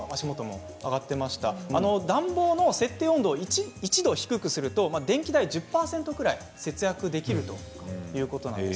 暖房の設定温度を１度低くするという電気代１０％くらい節約できるといわれているんです。